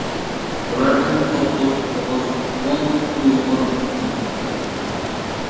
بۇلاردىن توققۇز ئوغۇز، ئون ئۇيغۇر تۇغۇلۇپتۇ.